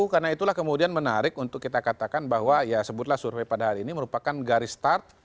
karena itulah kemudian menarik untuk kita katakan bahwa ya sebutlah survei pada hari ini merupakan garis start